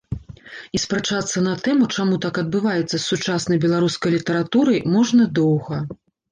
І спрачацца на тэму, чаму так адбываецца з сучаснай беларускай літаратурай, можна доўга.